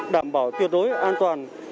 đảm bảo tuyệt đối an toàn